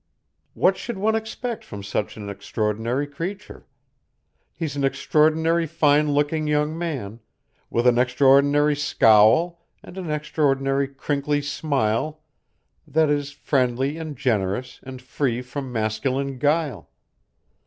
"What should one expect from such an extraordinary creature? He's an extraordinary fine looking young man, with an extraordinary scowl and an extraordinary crinkly smile that is friendly and generous and free from masculine guile.